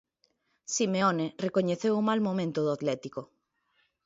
Simeone recoñeceu o mal momento do Atlético.